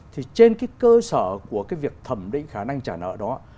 thì trên cái cơ sở của cái việc thẩm định khả năng trả nợ đó